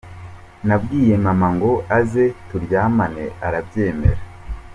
Nabwiye mama ngo aze turyamane arabyemera.